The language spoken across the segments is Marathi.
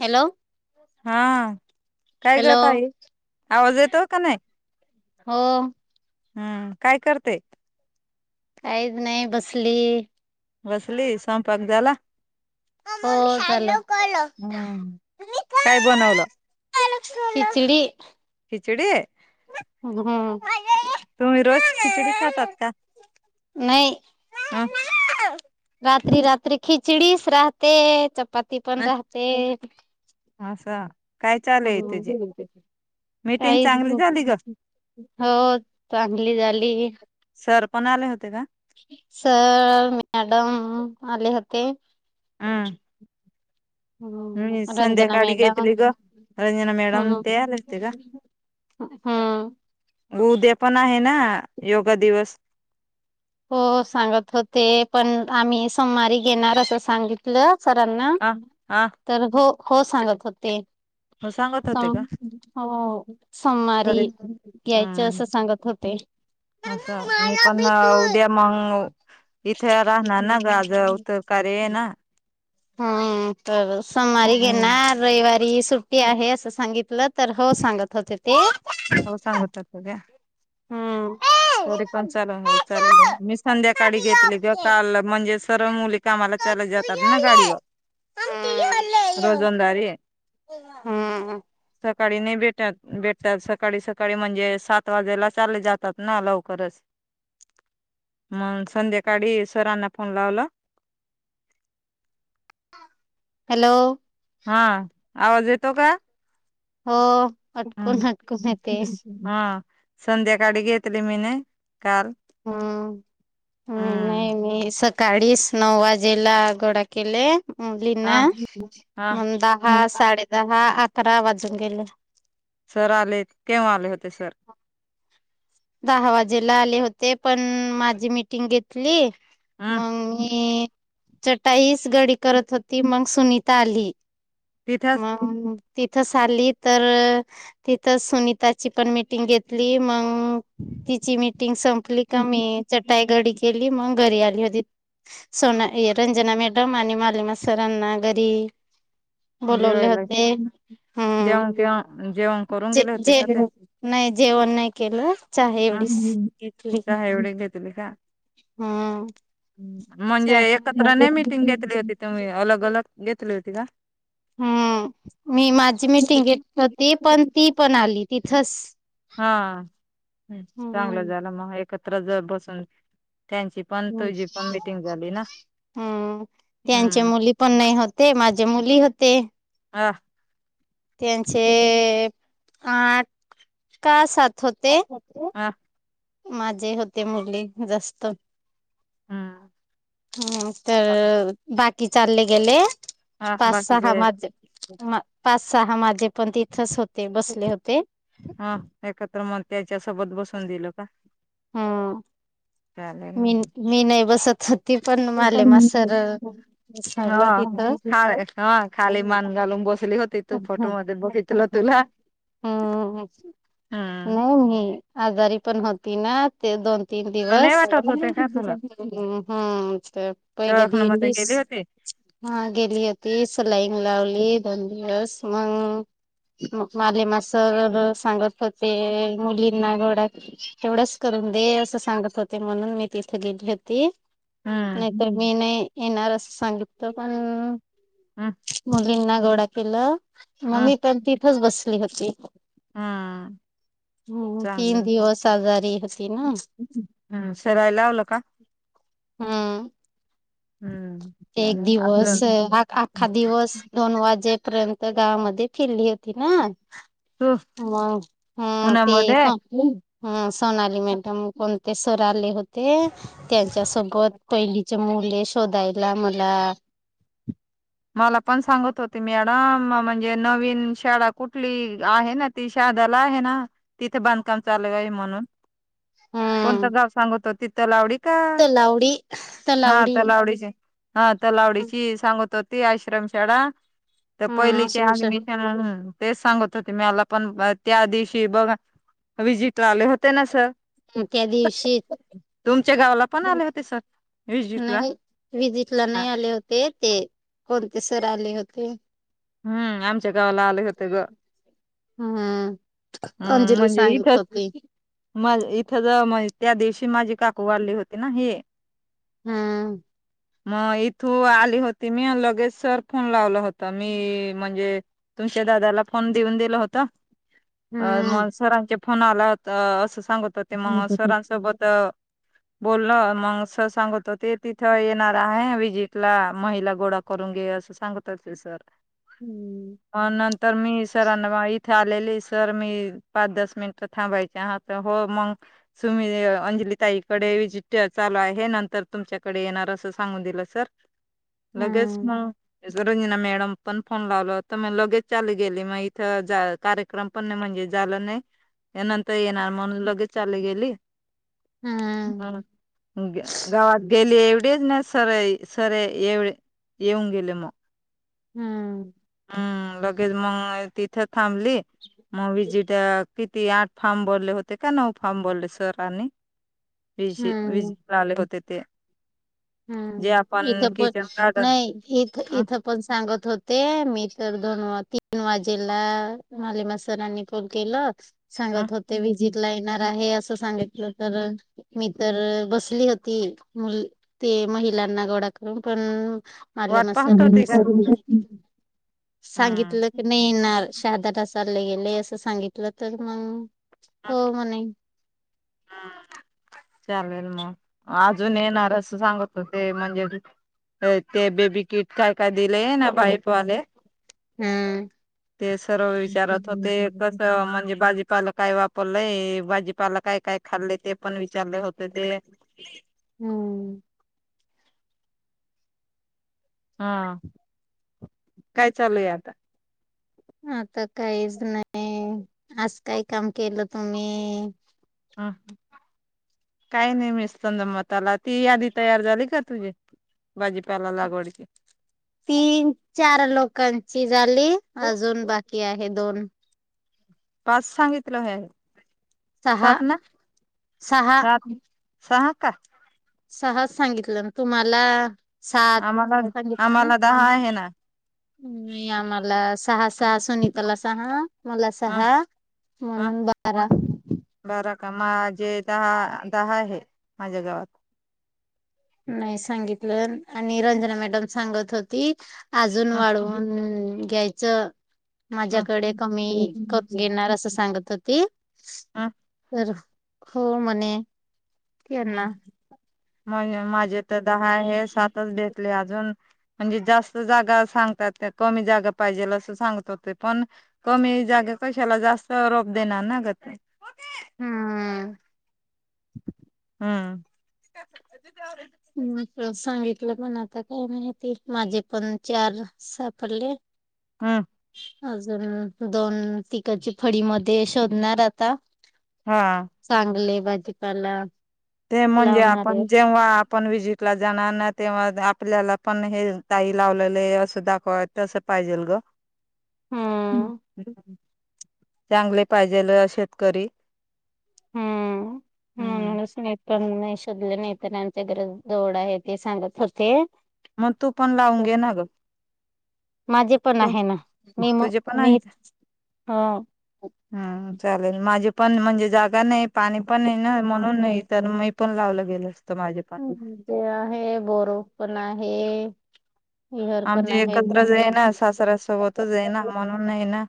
हॅलो हा काय हॅलो ग ताई आवाज येतोय का नाय? हो. हम्म काय करते? काहीच नाही बसली बसलीस स्वयंपाक झाला? हो झाला. हम्म काय बनवलं खिचडी. खिचडी? हमम. तुम्ही रोज खिचडी खातात का? नाही. हम्म रात्री रात्री खिचडीच राहते चपाती ती पण राहते असं काय चालू आहे हॅलो तुझी नंतर बोलते, मीटिंग काहिच चांगली झाली [unintelligible] ग हो चांगली झाली. सरपण आले होते का? सर, मॅडम आले होते. [inaudible] हमम मी रंजना संध्याकाळी मॅडम, घेतली ग रंजना मॅडम हमम. ते आले होते का हमम. उद्या पण आहे ना योगा दिवस हो सांगत होते पण आम्ही सोमवारी घेणार असं सांगितलं सरांना आ आ. तर हो हो सांगत होते मग सांगत होते सर का हो सोमारी तरी यायचं हम्म असं सांगत होते. असं मी पण उद्या मंग इथे राहणार ना ग आज उत्तर कार्य आहे ना. हम्म तर सोमवारी हम्म. घेणार रविवारी सुट्टी आहे असं सांगितलं तर हो सांगत होते ते हो सांगत होते ते हम्म तरी पण च- [unintelligible] चला हो चालेल मी संध्याकाळी घेतले ग काल म्हणजे सर्व मुली कामाला चालत जातात ना गाडीवर, रोजंदारी ये हमम. सकाळी नाही भेटत भेटतात सकाळी सकाळी म्हणजे सात वाजेला चाले जातात. ना लवकरच, मग संध्याकाळी सरांना फोन लावला हॅलो. हा आवाज येतो का? हो अटकून, अटकून हम्म येतेय. हा संध्याकाडी घेतली मी न काल. हू हू हम्म नाही मी स काळीस नऊ वाजेला गोडा केेले. हा मुलींना हा मंग दहा, मग साडे दहा, अकरा वाजून गेले. सर आलेत, केव्हा आले होते सर. दहा वाजेला आले होते, पण माझी मिटिंग घेतली. हम् मंग मी चटाईच घडी करत होती, मंग सुनीता आली. तिथेच मं! तिथसाली तर तिथं सुनीताची पण मीटिंग घेतली मंग तिची मिटिंग संपली का, मी चटाई घडी केली मंग घरी आली होती. सोना ए रंजना मॅडम, आणि मालिमा सरांना घरी. बोलवले जेवायला होते ह जेवण केव्हा जेवण करून गेले होते जे-जे का ते नही जेवण नाही केलं. चहा एवढीच हं घेतली चहा एवढे घेतले का? हम्म म्हणजे चहा एकत्र नाही मिटिंग घेतली होती तुम्ही, अलग, अलग घेतली होती का? हं मी माझी मिटिंग घेत होती, पण ती पण आली तिथचं. हा चांगलं हम्म झालं म एकत्र ज बसून त्यांची पण तुझी पण मिटिंग झाली ना हं त्यांच्या हम्म मुली पण नाही होते, माझे मुली होते. [inaudible] त्यांचे आठ का सात होते. हं! माझे होते मुली जस्त. हम्म हं चाल तर बाकी चालले गेले. हा पाच सहा बाकीचे माजे मं पाच सहा माजे पण तिथचं होते बसले होते. हा एकत्र मग त्याच्या सोबत बसून दिलं का? हं चालेल मी न मी नाही बसत. ती पण ते मालेमा पण सर. हा सांगलं तिथं हा खाली मान घालून बसली होती तू फोटो मधे बघित ल तुला. हू हम्म नाही मी आजारी पण होती ना. ते दोन तीन तुला नाही दिवस. वाटत होते हू का तुला हू तर पहिले दिन दिस हे! हा गेली होती, सलाईंन लावली दोन दिवस मंग. मालेमा सर सांगत होते मुलींना गोडा एवढंस करून दे, असं सांगत होते म्हणून मी तिथ गेली होती. हम्म नाही तर मी नाही येणार असं सांगितल पण. हम्म मुलींना गोडा केलं म हम्म मी पण तिथचं बसली होती. हम्म तीन चांगली दिवस आजारी होती ना. हू शेराय लावल का? हू हम्म एक चालेल दिवस अजून आखा-आक्खा दिवस. दोन वाजेपर्यंत गावामध्ये फिरली होती ना. तू मग हम्म ते उन्हामध्ये स सोणाली मॅडम कोण? ते सर आले होते. त्यांच्या सोबत पहिलीचे मुले शोधायला मला. मला पण सांगत होती, मॅडम म्हणजे नवीन शाळा कुठली आहे ना? ती शादाला आहे ना, तिथे बांधकाम चालू आहे म्हणून. हम्म कोणतं गाव सांगत होती तलावडी का? तलावडी हा तलावडी तलावडीची. हा तलावडीची सांगत होती आश्रम शाळा ते हा पहिलीचे असं म्हण ऍडमिशन न तेच सांगत होते म्याला पण, त्या दिवशी बघा व्हीजिटला आले होते ना सर ते. त्या दिवशी [unintelligible] तुमच्या गावाला पण आले होते सर. विजिटला नाही. व्हीजिट ला नाही आले होते, ते कोणते सर आले होते? हुं. आमच्या गावाला आले होते ग. हूम हम्म अंजली म्हणजे सांगत इथंच होती. म इथं ज त्या दिवशी माझी काकू वारली होती ना हे हुं. मग इथू आली होती मी आणि लगेच सर फोन लावला होता. मी म्हणजे तुशा दादाला फोन देऊन दिला होता. अ हम्म मग सरांचे फोन आला, असं सांगत होते मग हम्म सरां सोबत अ बोलल मग सर सांगत होते, तिथं येणार हाय व्हीजिट ला महिला गोडा करून घेवूया आसं सांगत होते सर. हूम. म नंतर मी सरांना वा इथे आलेलीस सर मी पाच दस मिनट थांबायचे हा, तर हो मग तुम्ही अंजली ताईकडे व्हीजिट चालू आहे, नंतर तुमच्याकडे येणार असं सांगून दिलं सर लगेच हम्म मंग रंजिना मॅडम पण फोन लावल होता, मग लगेच चालू गेली मग इथं कार वक्रम पण नाही म्हणजे झालं नाही, या नंतर येणार म्हणून लगे चाली गेली. ह हम्म गावात गेली एवढेच नाही सर ये सर येवढे येऊन गेले मग. हुं. हुं. लगेच मग तिथे थांबली. [inaudible] म व्हीजिट किती आठ फाम भरले होते का नऊ फाम भरले सरांनी? व्हीजी हम्म व्हीजीटला आले होते ते? जे हां. आपण इथ पणं, किचन गार्डन नाही इथ अ इथं पण सांगत होते, मी तर दोन वा तीन वाजेला मालेमा सरांनी कोल केलं, अ सांगत होते, व्हीजिट ला येणार आहे असं सांगीत म्हणंल तर, मी तर बसली होती. मुल ते महिलांना गोळा करून पण म आले वाट म पाहत सर होती का हम्म [unintelligible] सांगितलं की नाही हम्म येणार शहादा चालले गेले असं सांगितलं, तर मग हो म्हणे. हम्मं चालेल मग, अजून येणार अस सांगत होते म्हणजे ते ते बेबी किट काय-काय दिलय ना, बाईपवाले हम्म ते सर्व विचारत होते कस म्हणजे भाजीपाला काय वाप पलय भाजीपाला काय-काय खाल्लय ते पण विचारले होते ते. हम्म. हा काय चालू आहे आता? आता काहीच नाही आज काय काम केलं तुम्ही? हम्म काही नाही मिसतंद मताला ती यादी तयार झाली का तुझी. भाजीपाला लागवड तीन चार लोकांची झाली अजून बाकी आहे दोन पाच सांगितलं हे सहा सात ना सहा सात. हा का. सहा सांगितलं तुम्हाला सात आम्हाला सांगितलं आम्हाला ना. दहा आहे [inaudible] ना नाही आम्हाला सहा सा सहा सांगितला सहा मला ह सहा म्हणून बारा बर का माझे दहा दहा आहे माझ्या गावात नाही सांगितलं आणि रंजना मॅडम सांगत होती अजून ह वाढवून घ्यायचं. ह माझ्याकडे कमी क घेणार असं सांगत होती ह तर हो म्हणे हा त्यांना आणि माझे तर दहा हे सातच भेटले अजून म्हणजे जास्त जागा सांगतात त्या कमी जागा पाहिजेल असं सांगत होते पण कमी जागा कशाला जास्त रोक देणार ना ग हम्म. हम्म. [unintelligible] म्हटल सांगितलं पण आता काही माहिती माझे पण चार सापडले हम्म. अजून दोन तिकळची फळी मध्ये शोधणार आता हा. चांगले भाजीपाला ते म्हणजे लावणारे आपण जेव्हा आपण विजिटला जाणार ना तेव्हा आपल्याला पण हे ताई लावलेले असं दाखवत तस पाहिजेल ग हम्म. [unintelligible] चांगले पाहिजेल शेतकरी. हम्म हम्म अस नाही येत. पण नाही शोधलं नाही तर आमच्या ग्र गोरडा ये ते सांगत होते मग तू पण लावून घे ना ग. माझे पण तू आहे ना मी -म- तुझे पण आहे मी अ हम्म चालेल माझे पण म्हणजे जागा नाही पाणी पण नाही ना म्हणून नाही तर मी पण लावलं गेलं असतं माझे. [unintelligible] तो आहे बोर पण आहे. विहर पण आमचे एकत्रच आहे ना सासऱ्या सोबतच आहे ना म्हणून नाही ये हम्म. ना.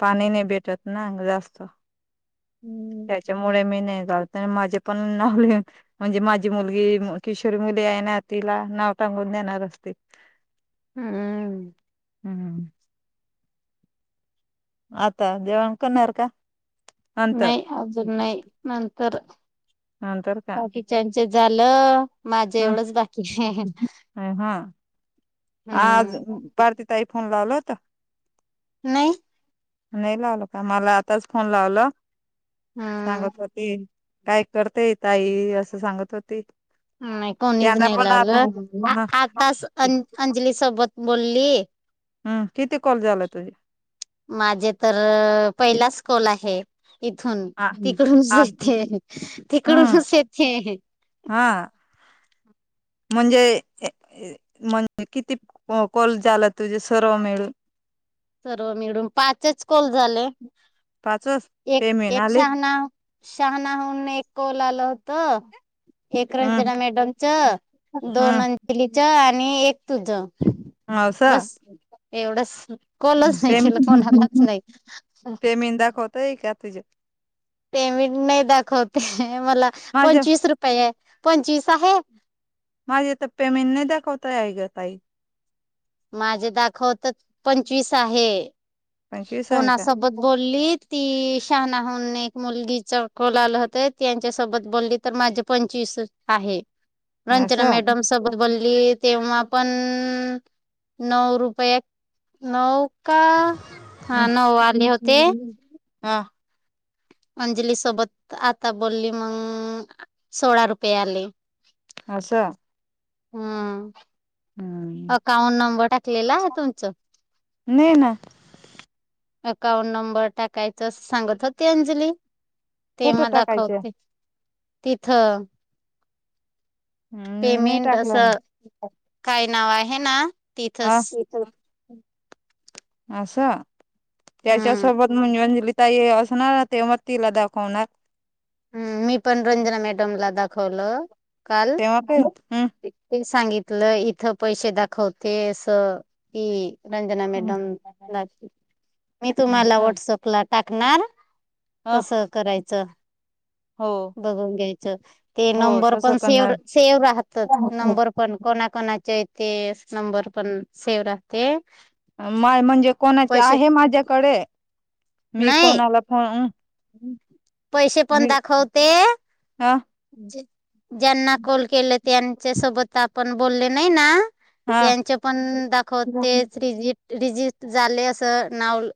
पाणी नाही भेटत ना जास्त. हम्म. त्याच्यामुळे मी नाही जात आणि माझे पण नाव लिहून म्हणजे माझी मुलगी किशोरी मुली आहे ना तिला नाव टांगून देणार असते. हम्म. हम्म. आता जेवण करणार का? नंतर नाही अजून नाही नंतर नंतर का बाकी त्यांचं झालं माझं एवढंच बाकी हे अहं अहं हम्म हा आज भारती ताई फोन लावल होत? नई. नाही लावलं का मला आताच फोन लावला हम्म सांगत होती काय करतेय ताई असं सांगत होती. नाही कोणीच त्यांना नाही पण आता लावलं आताच अ अंजली सोबत बोलली हम्म, किती कॉल झालाय तुझे? माझे तर अ पहिलाच कॉल आहे. इथून हा तिकडूनच हा येते हम्म तिकडूनच येते अहं. हा. म्हणजे म्हण किती कॉल झाला तुझे सर्व मिळू सर्व मिळून पाचच कॉल झाले पाचच एक पेमेंट एक आले शहाणा शहाणाहून एक कॉल आलं होत. एक हम्म रंजना मॅडमच, दोन हम्म अंजलीच आणि एक तुझ. असं बस एवढच कॉलच नाही केल कोणाला कोणालाच नाही. मिंदा खोत. तई का तुझ्या पेमेंट नाही दाखवते मला माझ्या पंचवीस रुपये पंचवीस आहे. माझे तर पेमेंट नाही दाखवतय आई ग ताई. माझे दाखवत पंचवीस आहे. पंचवीस आहे का कोणासोबत बोलली ती शहाणाहून एक मुलगीचा कॉल आल होत त्यांच्या सोबत बोलली तर माझे पंचवीस आहे. रंजना असं मॅडम सोबत बोली तेव्हा पण नऊ रुपया नऊ का हा नऊ आले होते. हा. अंजली सोबत आता बोली मग सोळा रुपये आले. असं. हा. हम्म अकाउंट नंबर टाकलेला तुमचं? नाही ना अकाउंट नंबर टाकायचं सांगत होती अंजली. ते कुठं मग टाकायचं दाखवते तिथ. मी नाही पेमेंट टाकलं असं काय नाव आहे ना? हा तिथंच येतय. असं त्याच्या हम्म सोबत मंजू, अंजली ताई अस नव्ह तेव्हा तिला दाखवणार. हम्म. मी पण रंजना मॅडमला दाखवलं काल तेव्हा काय हम्म ते सांगितलं इथं पैसे दाखवते अस की रंजना हम्म मॅडम [inaudible] मी तुम्हाला असं व्हाट्सअपला टाकणार. अ कसं करायचं? हो बघून घ्यायचं. ते हो नंबर तसं पण सेव्ह करणार सेव्ह राहत नंबर पण कोणा कोणाचे तेे नंबर पण सेव्ह राहते. माय म्हणजे कोणाची पैसे आहे माझ्याकडे मी नाही कोणाला फोन पैसे पण मी दाखवते हा जे ज्यांना कॉल केलं त्यांच्या सोबत आपण बोलले नाही ना हा त्यांचे पण दाखवतेच रिजिट रिजिट झालय असं नाव